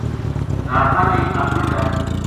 راکھاں نے اپنا ڈر